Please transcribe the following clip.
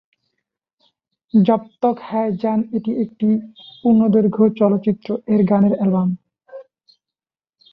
Job Tak Hai Jaan এটি একটি পূর্ণদৈর্ঘ্য চলচ্চিত্র-এর গানের অ্যালবাম।